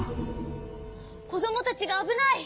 こどもたちがあぶない。